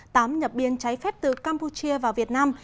tám nhập biên trái phép từ campuchia vào việt nam